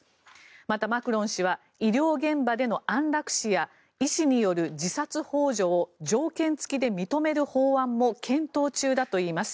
また、マクロン氏は医療現場での安楽死や医師による自殺ほう助を条件付きで認める法案も検討中だといいます。